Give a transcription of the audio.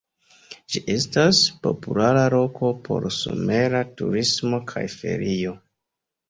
Ĝi estas populara loko por somera turismo kaj ferio.